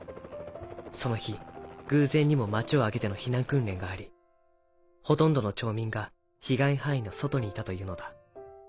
その日偶然にも町を挙げての避難訓練がありほとんどの町民が被害範囲の外にいたというのだ。